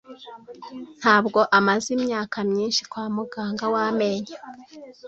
Ntabwo amaze imyaka myinshi kwa muganga w’amenyo.